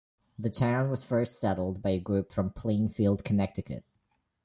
The town was first settled by a group from Plainfield, Connecticut.